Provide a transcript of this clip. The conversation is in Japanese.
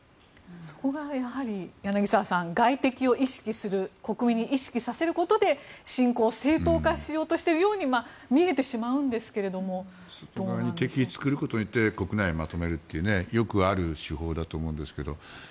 そこが柳澤さん外敵を意識する国民に意識させることで侵攻を正当化しようとしているように敵を作ることを言って国内をまとめるというよくある手法だと思いますが。